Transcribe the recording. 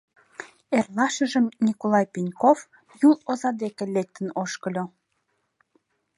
Эрлашыжым Николай Пеньков Юл оза деке лектын ошкыльо.